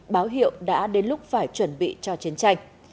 báo hiệu đã đến lúc phải chuẩn bị cho chiến tranh